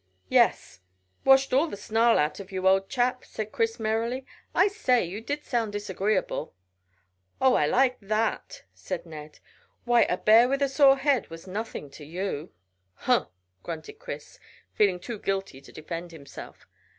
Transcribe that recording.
"Yes. Washed all the snarl out of you, old chap," cried Chris merrily. "I say, you did sound disagreeable." "Oh, I like that!" said Ned. "Why, a bear with a sore head was nothing to you." "Humph!" grunted Chris, feeling too guilty to defend himself.